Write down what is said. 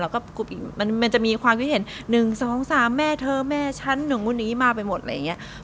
เราก็มันมันจะมีความที่เห็นหนึ่งสองสามแม่เธอแม่ฉันหนึ่งวันนี้มาไปหมดอะไรอย่างเงี้ย